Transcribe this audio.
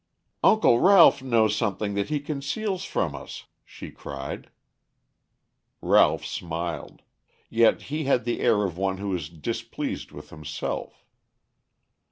"Uncle Ralph knows something that he conceals from us," she cried. Ralph smiled. Yet he had the air of one who is displeased with himself.